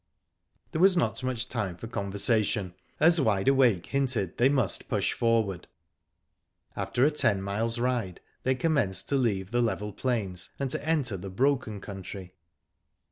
There was not much time for conversation, as Wide Awake hinted they must push forward. After a ten miles* ride, they commenced to leave the level plains and to enter the broken country.